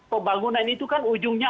pembangunan itu kan ujungnya